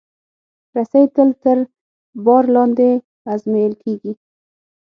رسۍ تل تر بار لاندې ازمېیل کېږي.